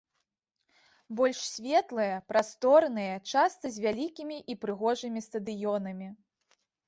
Больш светлыя, прасторныя, часта з вялікімі і прыгожымі стадыёнамі.